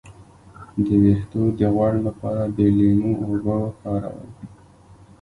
د ویښتو د غوړ لپاره د لیمو اوبه وکاروئ